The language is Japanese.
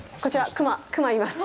熊います。